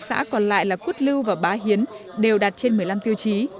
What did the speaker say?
năm xã còn lại là quất lưu và bá hiến đều đạt trên một mươi năm tiêu chí